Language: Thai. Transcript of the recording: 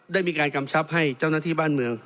ได้มีการกำชับให้เจ้าหน้าที่บ้านเมือง